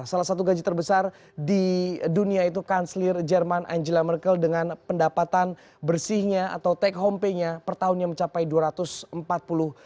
salah satu gaji terbesar di dunia itu kanselir jerman angela merkel dengan pendapatan bersihnya atau take home pay nya per tahunnya mencapai dua ratus empat puluh